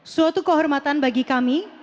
suatu kehormatan bagi kami